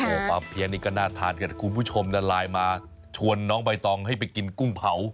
โอ้โหปลาเพี้ยนนี่ก็น่าทานกันคุณผู้ชมนะไลน์มาชวนน้องใบตองให้ไปกินกุ้งเผา